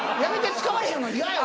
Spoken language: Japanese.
使われへんの嫌よ